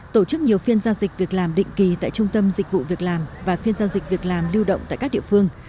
tổ chức nhiều phiên giao dịch việc làm định kỳ tại trung tâm dịch vụ việc làm và phiên giao dịch việc làm lưu động tại các địa phương